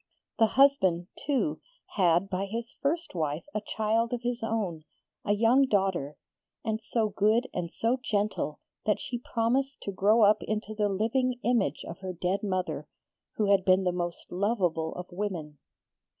The husband, too, had by his first wife a child of his own, a young daughter, and so good and so gentle that she promised to grow up into the living image of her dead mother, who had been the most lovable of women.